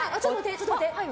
ちょっと待って。